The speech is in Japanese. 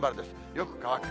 よく乾く。